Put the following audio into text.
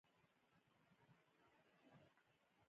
د یوې ډلې شمېر له شلو تر پنځوسو پورې وي.